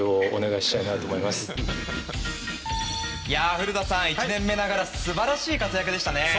古田さん、１年目ながら素晴らしい活躍でしたね。